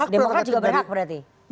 demokrat juga berhak berarti